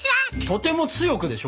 とても強くでしょ？